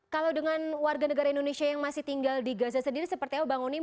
kalau dengan warga negara indonesia yang masih tinggal di gaza sendiri seperti apa bang onim